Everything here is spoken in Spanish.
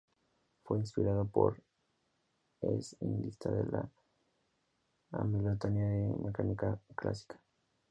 Fue inspirado por, pero es distinta de, la hamiltoniana de la mecánica clásica.